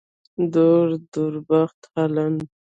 دور درېخت هالنډ.